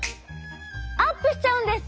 アップしちゃうんです！